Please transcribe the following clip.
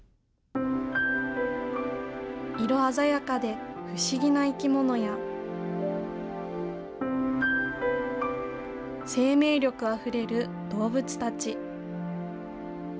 色鮮やかで不思議な生き物や、生命力あふれる動物たち。